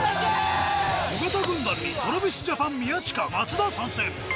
尾形軍団にＴｒａｖｉｓＪａｐａｎ宮近、松田参戦！